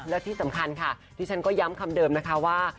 และที่สำคัญค่ะที่ฉันก็ย้ำคำเดิมนะคะว่า